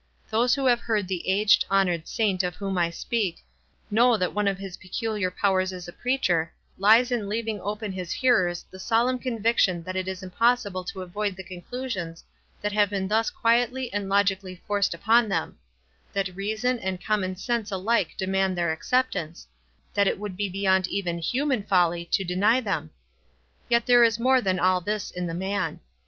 Those who have heard the aged, hon ored saint of whom I speak, know that one of his peculiar powers as a preacher lies in leaving upon his hearers the solemn conviction that it is impossible to avoid the conclusions that have been thus quietly and logically forced upon them ; that reason and common sense alike de mand their acceptance ; that it would be beyond even human folly to deny them. Yet there is more than all this in the man.